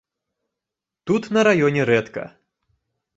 Тут на раёне рэдка.